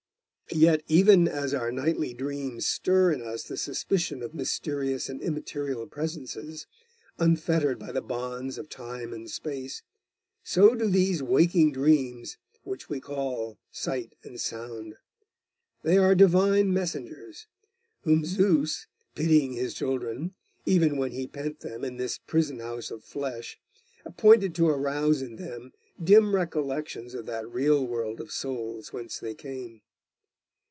Yet, even as our nightly dreams stir in us the suspicion of mysterious and immaterial presences, unfettered by the bonds of time and space, so do these waking dreams which we call sight and sound. They are divine messengers, whom Zeus, pitying his children, even when he pent them in this prison house of flesh, appointed to arouse in them dim recollections of that real world of souls whence they came.